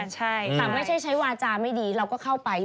แต่ไม่ใช่ใช้วาจาไม่ดีเราก็เข้าไป